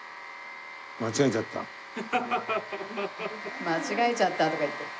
間違えちゃったとか言って。